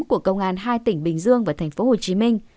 của công an hai tỉnh bình dương và tp hcm